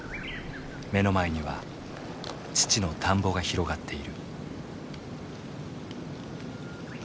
目の前には父の田んぼが広がっている。